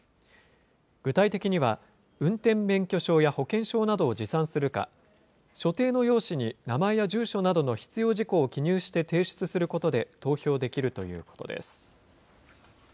具体的には、運転免許証や保険証などを持参するか、所定の用紙に名前や住所などの必要事項を記入して提出することで投票できるということです。